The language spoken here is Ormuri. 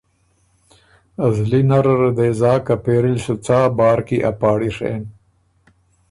زلی نره ره دې زاک که پېری ل سو څا بار کی ا پاړی ڒېن